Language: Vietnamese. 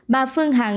bà phương hằng